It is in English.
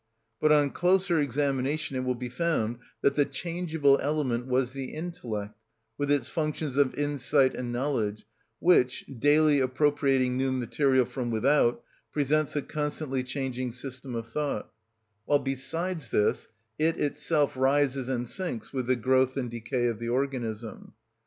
But on closer examination it will be found that the changeable element was the intellect, with its functions of insight and knowledge, which, daily appropriating new material from without, presents a constantly changing system of thought, while, besides this, it itself rises and sinks with the growth and decay of the organism.